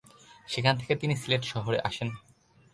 সেখান থেকে তিনি সিলেট শহরে আসেন।